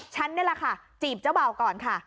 ฉันนี่แหละค่ะจีบเจ้าเบาก่อนค่ะ